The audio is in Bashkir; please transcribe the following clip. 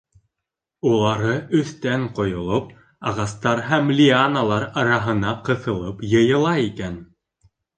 Улары өҫтән ҡойолоп, ағастар һәм лианалар араһына ҡыҫылып йыйыла икән.